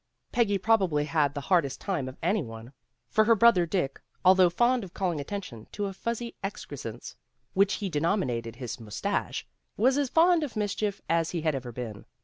Peggy probably had the hardest time of any one. For her brother, Dick, although fond of calling attention to a fuzzy excrescence which 118 PEGGY RAYMOND'S WAY he denominated his mustache, was as fond of mischief as he had ever been.